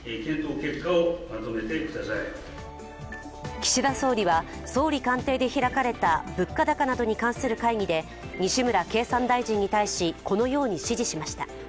岸田総理は、総理官邸で開かれた物価高などに関する会議で西村経産大臣に対し、このように指示しました。